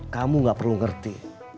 kamu gak perlu ngerti